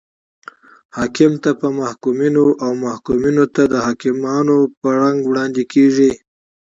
حاکم ته په محکومینو او محکومینو ته د حاکمانو په رنګ وړاندې کیږي.